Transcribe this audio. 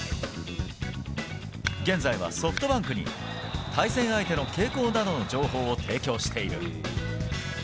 現在はソフトバンクに対戦相手の傾向などの情報を提供している。